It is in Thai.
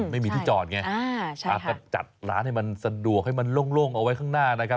ไม่มีที่จอดไงอาจจะจัดร้านให้มันสะดวกให้มันโล่งเอาไว้ข้างหน้านะครับ